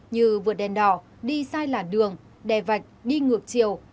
như vượt đèn đỏ đi sai làn đường đè vạch đi ngược chiều